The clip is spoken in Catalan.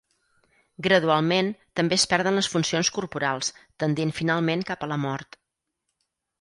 Gradualment, també es perden les funcions corporals, tendint finalment cap a la mort.